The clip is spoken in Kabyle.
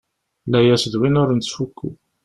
Layas d win ur nettfukku.